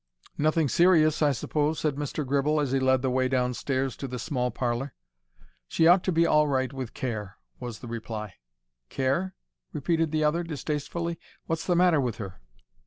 "Nothing serious, I s'pose?" said Mr. Gribble, as he led the way downstairs to the small parlour. "She ought to be all right with care," was the reply. "Care?" repeated the other, distastefully. "What's the matter with her?"